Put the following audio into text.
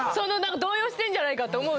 動揺してんじゃないかって思う。